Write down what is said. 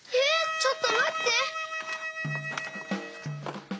ちょっとまって！